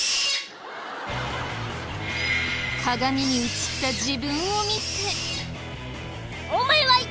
鏡に映った自分を見て。